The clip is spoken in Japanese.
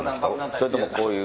それともこういう。